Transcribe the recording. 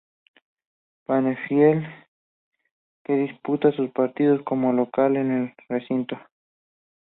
Penafiel, que disputa sus partidos como local en el recinto.